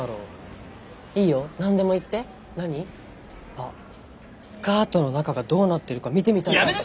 あっスカートの中がどうなってるか見てみたいとか。